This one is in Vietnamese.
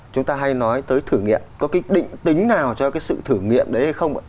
chúng ta hay nói tới thử nghiệm có cái định tính nào cho cái sự thử nghiệm đấy hay không ạ